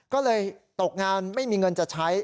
ก็เลยตกงานไม่มีเงินจะใช้